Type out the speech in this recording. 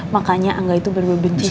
makanya angga itu bener bener benci semua